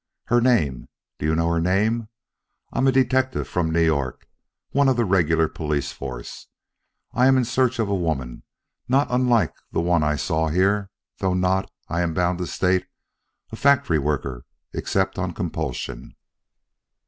"Her name? Do you know her name? I'm a detective from New York one of the regular police force. I'm in search of a woman not unlike the one I saw here, though not, I am bound to state, a factory worker except on compulsion."